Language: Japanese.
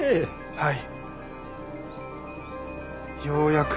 はい。